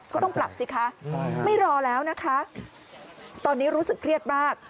ก็ต้องปรับสิคะไม่รอแล้วนะคะตอนนี้รู้สึกเครียดมาก